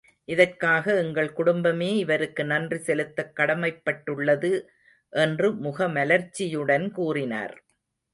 இதற்காக எங்கள் குடும்பமே இவருக்கு நன்றி செலுத்தக் கடமைப்பட்டுள்ளது என்று முகமலர்ச்சியுடன் கூறினார்.